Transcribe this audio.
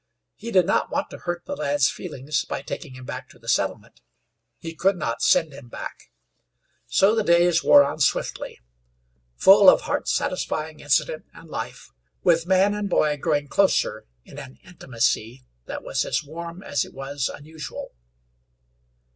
He did not want to hurt the lad's feelings by taking him back to the settlement; he could not send him back. So the days wore on swiftly; full of heart satisfying incident and life, with man and boy growing closer in an intimacy that was as warm as it was unusual.